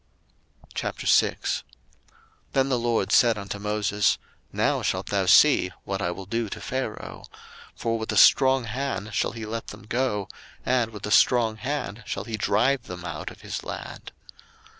02:006:001 Then the LORD said unto Moses, Now shalt thou see what I will do to Pharaoh: for with a strong hand shall he let them go, and with a strong hand shall he drive them out of his land.